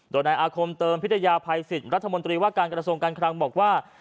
โดยนายอาคมเติมพิทยาภัยสิทธิ์รัฐมนตรีว่าการกระทรวงการคลังบอกว่า